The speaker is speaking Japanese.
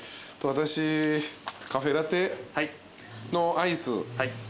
私カフェラテのアイス。